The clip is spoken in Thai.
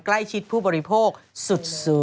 ใกล้ชิดผู้บริโภคสุด